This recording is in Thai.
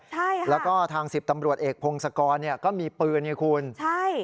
ใช่ค่ะแล้วก็ทางสิบตำรวจเอกพงศกรเนี่ยก็มีปืนไงคุณใช่